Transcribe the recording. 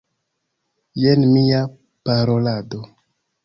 Jen mia parolado.